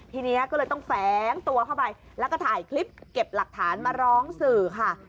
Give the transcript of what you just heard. ทีนี้ก็เลยต้องแฝงตัวเข้าไปแล้วก็ถ่ายคลิปเก็บหลักฐานมาร้องสื่อค่ะ